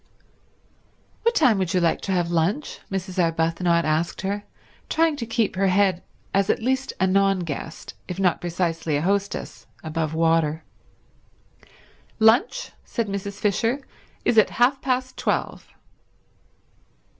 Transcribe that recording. "What time would you like to have lunch?" Mrs. Arbuthnot asked her, trying to keep her head as at least a non guest, if not precisely a hostess, above water. "Lunch," said Mrs. Fisher, "is at half past twelve."